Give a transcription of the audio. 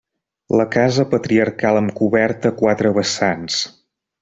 La casa patriarcal amb coberta a quatre vessants.